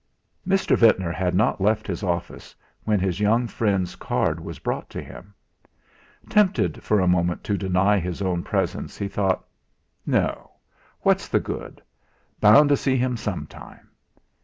3 Mr. Ventnor had not left his office when his young friend's card was brought to him. Tempted for a moment to deny his own presence, he thought: 'No! What's the good? Bound to see him some time!'